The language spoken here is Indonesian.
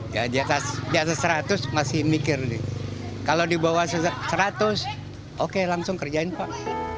ya jasa seratus masih mikir kalau di bawah seratus oke langsung kerjain pak